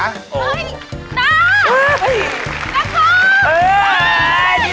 เฮ้ยน้า